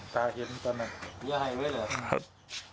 ตาเห็นตอนนั้นยายไห้ไว้หรือครับ